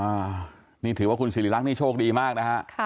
อ่านี่ถือว่าคุณสิริรักษ์นี่โชคดีมากนะฮะค่ะ